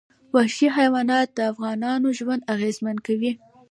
وحشي حیوانات د افغانانو ژوند اغېزمن کوي.